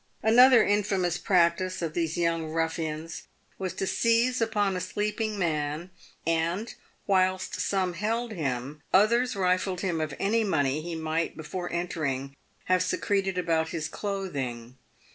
Another infamous practice of these young ruffians was to seize upon a sleeping man, and, whilst some held him, others rifled him of any money he might, before entering, have secreted about his clothing.